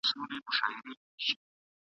انګرېزان به فنا سي.